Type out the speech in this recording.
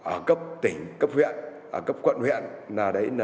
ở cấp tỉnh cấp huyện cấp quận huyện